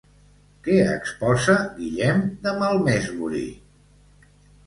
Què exposa Guillem de Malmesbury?